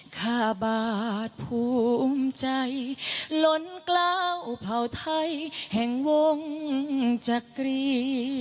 ข้าบาทภูมิใจล้นกล้าวเผ่าไทยแห่งวงจักรี